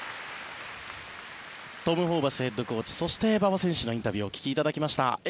トム・ホーバスヘッドコーチそして、馬場選手のインタビューをお聞きいただきました。